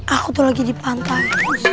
aku tuh lagi di pantai